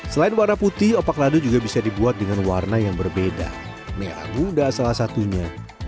selain warna putih opak lado juga bisa dibuat dengan warna yang berbeda mie agunda salah satunya